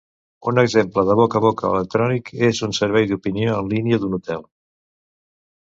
Un exemple de boca a boca electrònic és un servei d'opinió en línia d'un hotel.